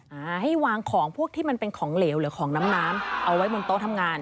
อ่าให้วางของพวกที่มันเป็นของเหลวหรือของน้ำน้ำเอาไว้บนโต๊ะทำงาน